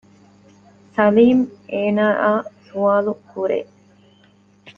ސަލީމް އޭނާއާ ސުވާލު ކުރޭ